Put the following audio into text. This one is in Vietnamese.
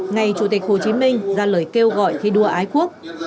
ngày chủ tịch hồ chí minh ra lời kêu gọi thi đua ái quốc